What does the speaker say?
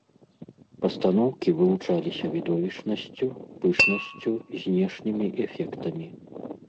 Пастаноўкі вылучаліся відовішчнасцю, пышнасцю, знешнімі эфектамі.